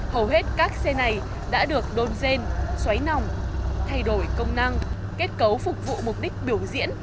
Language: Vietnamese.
hầu hết các xe này đã được đôn rên xoáy nòng thay đổi công năng kết cấu phục vụ mục đích biểu diễn